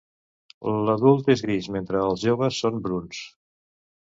L'adult és gris, mentre els joves són bruns.